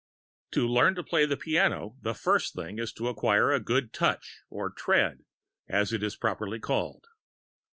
In learning to play the piano, the first thing to acquire is a good touch, or tread (as it is properly called).